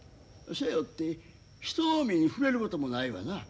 そやよって人の目に触れることもないわな。